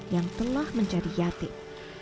yang telah menjadi yatik